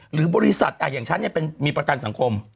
หรือบริษัทอย่างฉันมีประกันสังคม